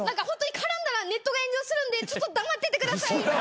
ホントに絡んだらネットが炎上するんでちょっと黙っててください。